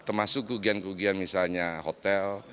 termasuk kerugian kerugian misalnya hotel